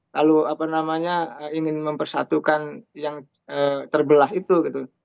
lalu apa namanya ingin mempersatukan yang terbelah itu gitu